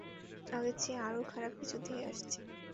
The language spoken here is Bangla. আগের চেয়ে আরও খারাপ কিছু ধেয়ে আসছে।